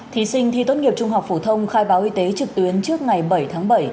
thí sinh thi tốt nghiệp trung học phổ thông khai báo y tế trực tuyến trước ngày bảy tháng bảy